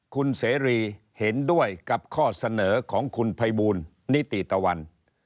คุณเสรีเห็นด้วยกับข้อเสนอของคุณภัยบูลนิติตะวัน